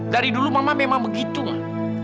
dari dulu mama memang begitu mah